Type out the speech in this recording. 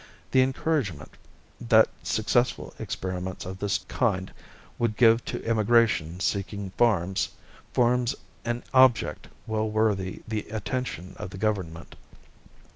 The encouragement that successful experiments of this kind would give to emigration seeking farms forms an object well worthy the attention of the Government.